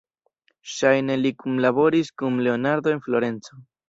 Ŝajne li kunlaboris kun Leonardo en Florenco.